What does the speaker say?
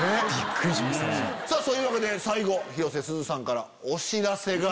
そういうわけで最後広瀬すずさんからお知らせが。